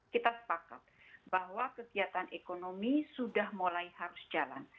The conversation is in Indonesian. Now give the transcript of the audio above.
kita sepakat bahwa kegiatan ekonomi sudah mulai harus jalan